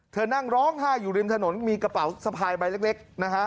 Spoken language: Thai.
นั่งร้องไห้อยู่ริมถนนมีกระเป๋าสะพายใบเล็กนะฮะ